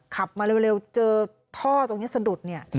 ขับมาเร็วเจอท่อตรงนี้สะดุดเนี่ย